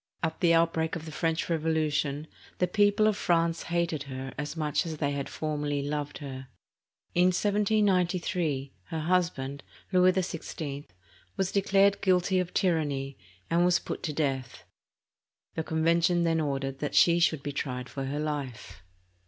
At the outbreak of the French Revolution, the people of France hated her as much as they had formerly loved her. In 1793, her husband, Louis XVI, was declared guilty of tyranny, and was put to death. The Convention then ordered that she should be tried for her life.